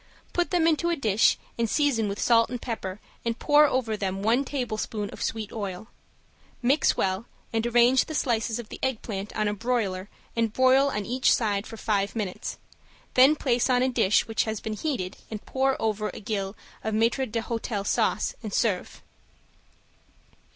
Put them into a dish and season with salt and pepper and pour over them one tablespoon of sweet oil. Mix well and arrange the slices of the eggplant on a broiler and broil on each side for five minutes, then place on a dish which has been heated and pour over a gill of maitre d'hotel sauce, and serve.